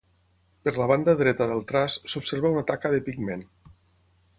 Per la banda dreta del traç s'observa una taca de pigment.